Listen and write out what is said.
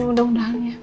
udah mudah mudahan ya